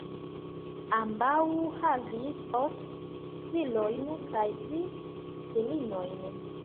Ambaŭ havis ok filojn kaj tri filinojn.